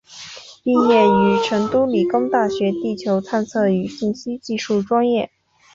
毕业于成都理工大学地球探测与信息技术专业。